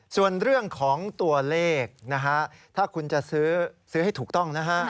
ส่วนเรื่องของตัวเลขนะฮะถ้าคุณจะซื้อให้ถูกต้องนะฮะ